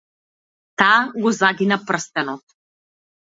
Таа го загина прстенот.